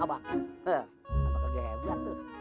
apakah geja tuh